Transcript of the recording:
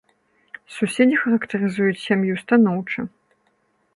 Суседзі характарызуюць сям'ю станоўча.